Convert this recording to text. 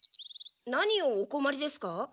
何をお困りですか？